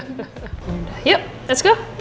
yaudah yuk let's go